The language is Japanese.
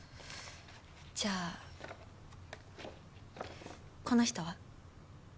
じゃあこの人は？